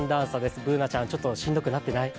Ｂｏｏｎａちゃん、ちょっとしんどくなってない？